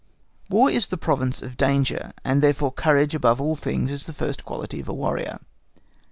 War is the province of danger, and therefore courage above all things is the first quality of a warrior.